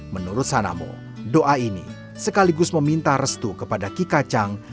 menurut sanamo doa ini sekaligus meminta restu kepada kikacang